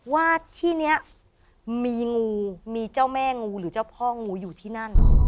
ว่าที่นี้มีงูมีเจ้าแม่งูหรือเจ้าพ่องูอยู่ที่นั่น